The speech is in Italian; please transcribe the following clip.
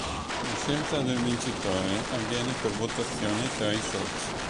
La scelta del vincitore avviene per votazione tra i soci.